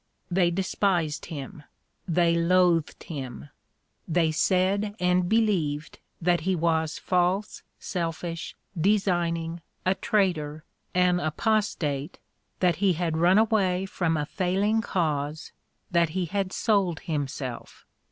They despised him; they loathed him; they said and believed that he was false, selfish, designing, a traitor, an apostate, that he had run away from a failing cause, that he had sold himself.